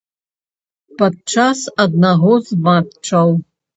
Падчас аднаго з матчаў.